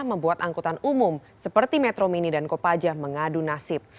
membuat angkutan umum seperti metro mini dan kopaja mengadu nasib